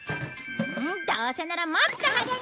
どうせならもっと派手に！